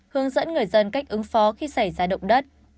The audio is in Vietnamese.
hướng dẫn người dân cách ứng phó khi xảy ra động đất